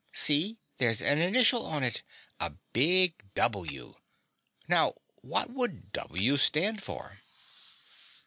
See, there's an initial on it. A big W. Now what would W stand for?"